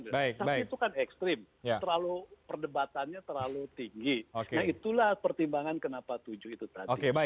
bahkan bisa enam partai